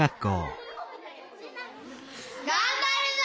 がんばるぞ！